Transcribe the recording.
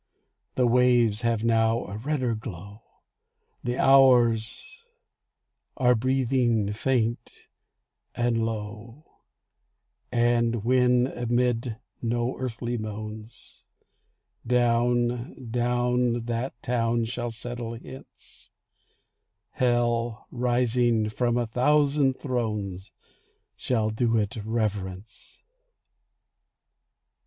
The waves have now a redder glow— The hours are breathing faint and low— And when, amid no earthly moans, Down, down that town shall settle hence, Hell, rising from a thousand thrones, Shall do it reverence.